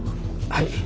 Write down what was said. はい。